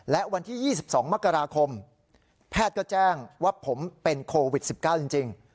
และวันที่๒๒มกราคมแพทย์ก็แจ้งว่าผมเป็นโควิด๑๙จริง